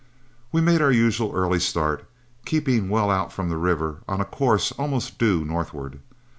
We made our usual early start, keeping well out from the river on a course almost due northward.